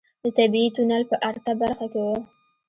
د طبيعي تونل په ارته برخه کې و.